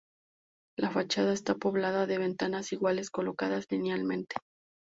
La fachada está poblada de ventanas iguales colocadas linealmente.